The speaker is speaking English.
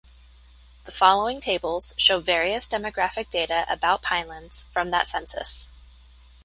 The following tables show various demographic data about Pinelands from that census.